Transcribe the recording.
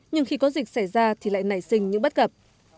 nhưng khi có dịch xảy ra thì lại nảy sinh những bất cập